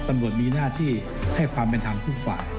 ตำรวจมีหน้าที่ให้ความเป็นธรรมทุกฝ่าย